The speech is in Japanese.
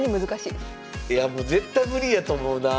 いやもう絶対無理やと思うな。